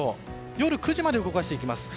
夜９時まで動かします。